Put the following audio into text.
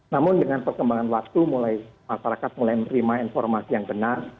namun dengan perkembangan waktu mulai masyarakat mulai menerima informasi yang benar